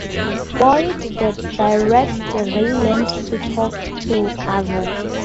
Boyd then directs Raylan to talk to Ava.